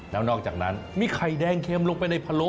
แล้วนอกจากนั้นมีไข่แดงเค็มลงไปในพะโล